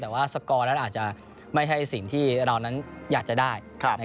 แต่ว่าสกอร์นั้นอาจจะไม่ใช่สิ่งที่เรานั้นอยากจะได้